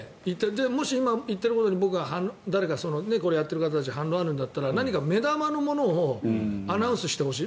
もし今、言ってるところに誰か、やってる人たち反論があるんだったら何か目玉のものをアナウンスしてほしい。